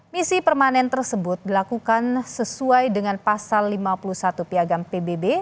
misi permanen tersebut dilakukan sesuai dengan pasal lima puluh satu piagam pbb